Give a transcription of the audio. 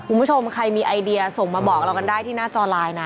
คุณผู้ชมใครมีไอเดียส่งมาบอกเรากันได้ที่หน้าจอไลน์นะ